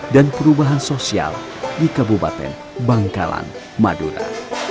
dan perubahan sosial di kabupaten bangkalan madura